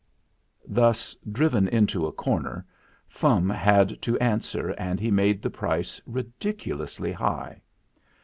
Thus driven into a corner, Fum had to an swer, and he made the price ridiculously high.